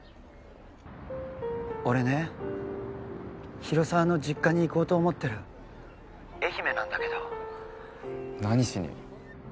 俺ね広沢の実家に行こうと思ってる☎愛媛なんだけど何しに？